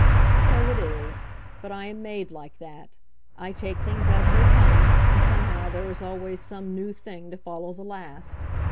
So it is; but I am made like that; I take things as they come, and somehow there is always some new thing to follow the last.